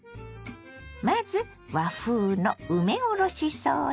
まず和風の梅おろしソース。